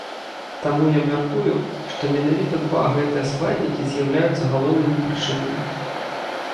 Таму я мяркую, што менавіта два гэтыя складнікі з'яўляюцца галоўнымі прычынамі.